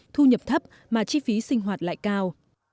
thu nhập thấp mà chi phí sinh hoạt lại cao